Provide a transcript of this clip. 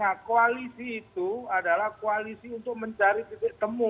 nah koalisi itu adalah koalisi untuk mencari titik temu